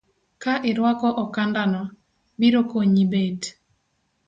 Ka irwako okanda no, biro konyi bet